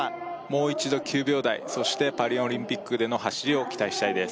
もう一度９秒台そしてパリオリンピックでの走りを期待したいです